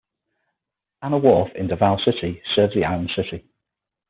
Ana Wharf in Davao City serves the island city.